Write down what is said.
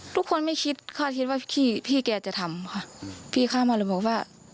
ทุกคนไม่คิดค่าคิดว่าพี่พี่แกจะทำค่ะพี่เข้ามาเลยบอกว่า